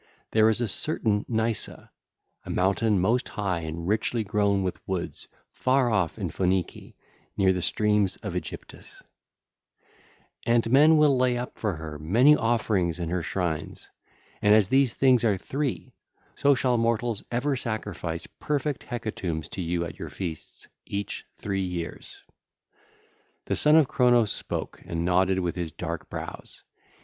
There is a certain Nysa, a mountain most high and richly grown with woods, far off in Phoenice, near the streams of Aegyptus. (ll. 10 12) '...and men will lay up for her 2503 many offerings in her shrines. And as these things are three 2504, so shall mortals ever sacrifice perfect hecatombs to you at your feasts each three years.' (ll. 13 16) The Son of Cronos spoke and nodded with his dark brows.